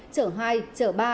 chở hai chở ba